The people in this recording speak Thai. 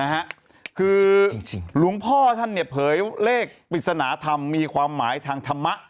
คือหลวงพ่อท่านเนี่ยเผยเลขปริศนธรรมมีความหมายทางธรรมะ